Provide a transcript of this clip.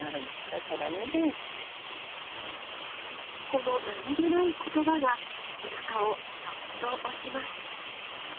この何げない言葉が背中をそっと押します